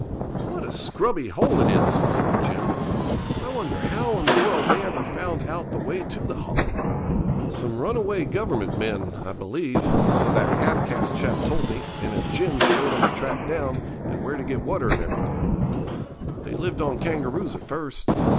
'What a scrubby hole it is!' said Jim; 'I wonder how in the world they ever found out the way to the Hollow?' 'Some runaway Government men, I believe, so that half caste chap told me, and a gin [*] showed 'em the track down, and where to get water and everything. They lived on kangaroos at first.